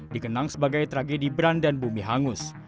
dikenang sebagai tragedi berandan bumi hangus